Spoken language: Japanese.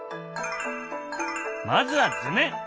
まずは図面。